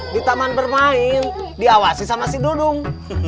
di taman bermain diawasi sama si dudung